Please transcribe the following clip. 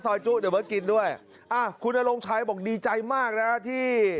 จุเดี๋ยวเบิร์ตกินด้วยอ่าคุณนรงชัยบอกดีใจมากนะฮะที่